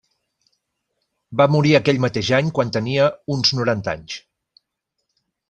Va morir aquell mateix any quan tenia uns noranta anys.